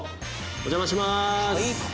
お邪魔します！